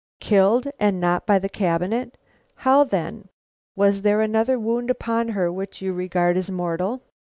"Killed, and not by the cabinet? How then? Was there any other wound upon her which you regard as mortal?"